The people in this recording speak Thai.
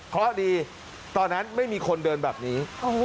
เพราะดีตอนนั้นไม่มีคนเดินแบบนี้